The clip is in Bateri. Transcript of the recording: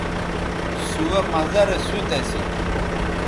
سوہ مزہ رے سوت اسی